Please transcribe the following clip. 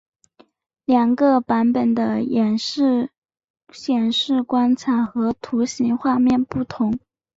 两个版本的演示显示关卡和图形画面不同。